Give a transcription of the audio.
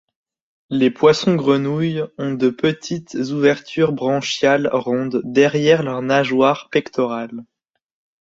Les poissons-grenouilles ont de petites ouvertures branchiales rondes derrière leurs nageoires pectorales.